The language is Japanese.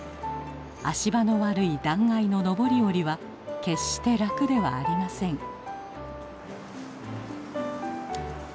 足場の悪い断崖の上り下りは決して楽ではありません。